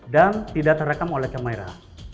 dan tidak terekam oleh kamera